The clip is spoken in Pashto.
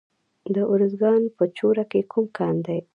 د ارزګان په چوره کې کوم کان دی؟